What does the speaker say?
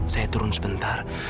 saya turun sebentar